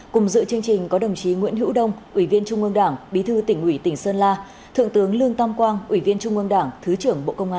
cùng dự chương trình có đồng chí nguyễn hữu đông ủy viên trung ương đảng bí thư tỉnh ủy tỉnh sơn la thượng tướng lương tam quang ủy viên trung ương đảng thứ trưởng bộ công an